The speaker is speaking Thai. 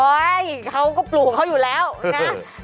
เขาก็ปลูกเขาอยู่แล้วนะ